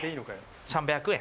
３００円。